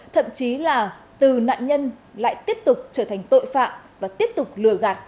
thậm chí là từ nạn nhân lại tiếp tục trở thành tội phạm và tiếp tục lừa gạt